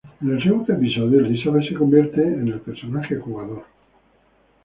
En el Segundo episodio, Elizabeth se convierte en el personaje jugador.